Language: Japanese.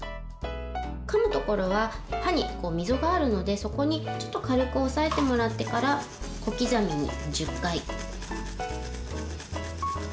かむところは歯に溝があるのでそこにちょっと軽く押さえてもらってから小刻みに１０回。